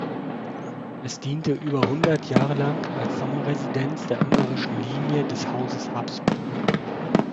Es diente über hundert Jahre lang als Sommerresidenz der ungarischen Linie des Hauses Habsburg.